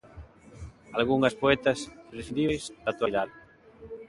Algunhas poetas imprescindíbeis da actualidade?